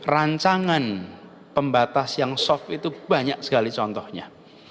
rancangan pembatas yang soft itu banyak sekali contohnya